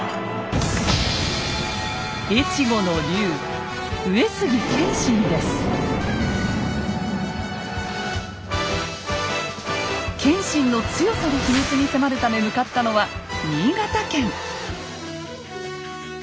越後の龍謙信の強さの秘密に迫るため向かったのは新潟県。